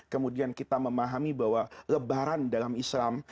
kemudian kita memahami bahwa lebaran dalam islam